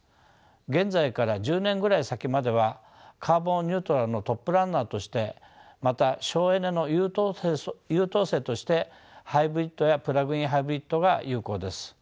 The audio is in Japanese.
現在から１０年ぐらい先まではカーボン・ニュートラルのトップランナーとしてまた省エネの優等生としてハイブリッドやプラグイン・ハイブリッドが有効です。